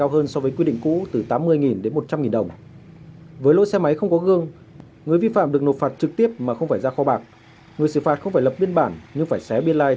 với số tiền phạt có thể tăng gấp đôi